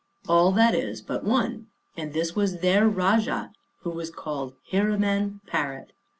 All, that is, but one, and this was their Rajah, who was called Hiraman parrot.